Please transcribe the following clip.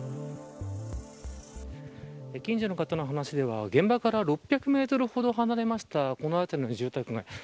近所の方の話では現場から６００メートルほど離れました、この辺りの住宅街